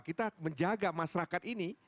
kita menjaga masyarakat ini